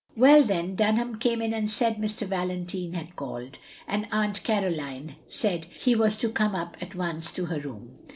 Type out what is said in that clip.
''Well, then, Dunham came in and said Mr. Valentine had called, and Aunt Caroline said he was to come up at once to her room.